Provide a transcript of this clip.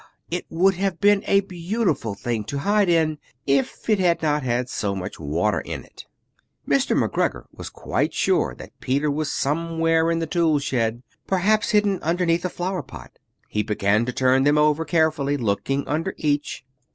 It would have been a beautiful thing to hide in, if it had not had so much water in it. Mr. McGregor was quite sure that Peter was somewhere in the tool shed, perhaps hidden underneath a flower pot. He began to turn them over carefully, looking under each.